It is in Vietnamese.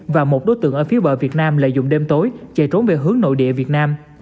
và một đối tượng ở phía bờ việt nam lợi dụng đêm tối chạy trốn về hướng nội địa việt nam